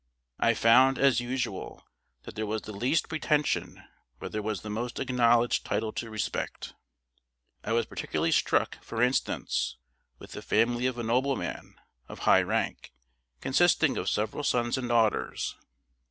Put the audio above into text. I found, as usual, that there was the least pretension where there was the most acknowledged title to respect. I was particularly struck, for instance, with the family of a nobleman of high rank, consisting of several sons and daughters.